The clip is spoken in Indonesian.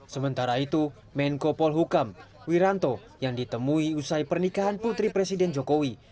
sementara itu menko polhukam wiranto yang ditemui usai pernikahan putri presiden jokowi